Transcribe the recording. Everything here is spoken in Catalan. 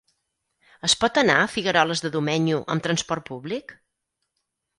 Es pot anar a Figueroles de Domenyo amb transport públic?